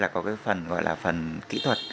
có cái phần gọi là phần kỹ thuật